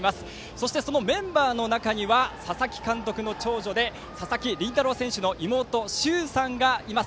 そして、そのメンバーの中には佐々木監督の長女で佐々木麟太郎選手の妹・しゅうさんがいます。